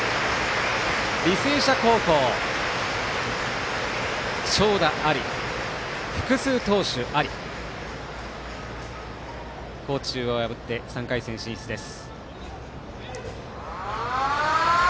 履正社高校、長打あり複数投手あり高知中央を破って３回戦進出です。